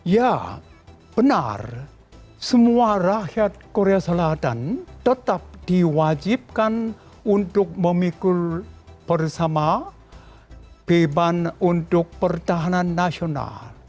ya benar semua rakyat korea selatan tetap diwajibkan untuk memikul bersama beban untuk pertahanan nasional